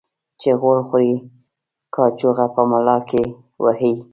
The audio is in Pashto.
چي غول خوري ، کاچوغه په ملا کې وهي.